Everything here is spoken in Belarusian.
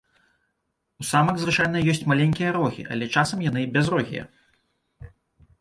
У самак звычайна ёсць маленькія рогі, але часам яны бязрогія.